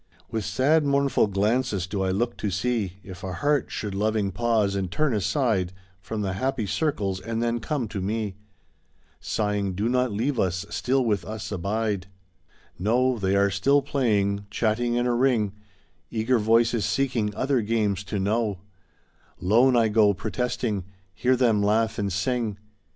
With sad, mournful glances do I look to see If a heart should loving pause and turn aside From the happy circles and then come to me, Sighing, "Do not leave us — still with us abide. [Wl % THE SAD YEARS I SAW CHILDREN PLAYING {Continued) . No! they still are playing, chatting in a ring, Eager voices seeking other games to know. Lone I go protesting — ^hear them laugh and sing.